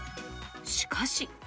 しかし。